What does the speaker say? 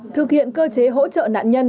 thực hiện cơ chế hỗ trợ nạn nhân